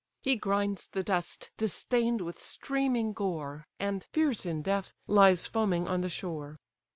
He grinds the dust distain'd with streaming gore, And, fierce in death, lies foaming on the shore.